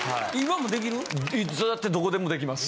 いつだってどこでも出来ます。